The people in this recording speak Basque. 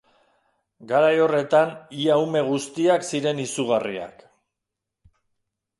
Garai horretan, ia ume guztiak ziren izugarriak.